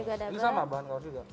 ini sama bahan kaos juga